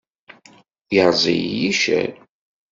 Yerreẓ-iyi yiccer.